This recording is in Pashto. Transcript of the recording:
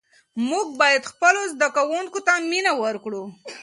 موږ باید خپلو زده کوونکو ته مینه ورکړو.